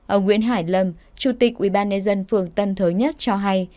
ông nguyễn hải lâm chủ tịch ubnd phường tân thới nhất cho hay